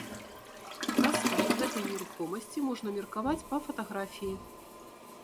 Пра стан гэтай нерухомасці можна меркаваць па фатаграфіі.